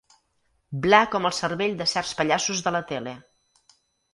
Bla com el cervell de certs pallassos de la tele.